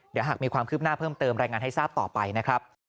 เดี๋ยวหากมีความคืบหน้าเพิ่มเติมรายงานให้ทราบต่อไปนะครับ